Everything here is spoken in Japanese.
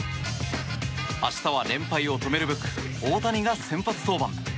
明日は連敗を止めるべく大谷が先発登板。